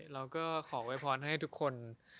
เราขอไว้ฟอนให้ทุกคน